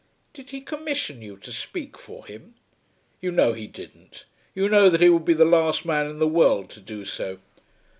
"Did he commission you to speak for him?" "You know he didn't. You know that he would be the last man in the world to do so?"